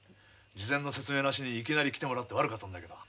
事前の説明なしにいきなり来てもらって悪かったんだけど。